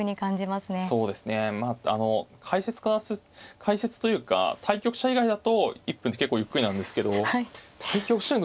まああの解説から解説というか対局者以外だと１分って結構ゆっくりなんですけど対局してる